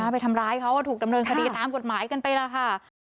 ไปทำร้ายเขาถูกดำเนินคดีตามกฎหมายกันไปแล้วค่ะ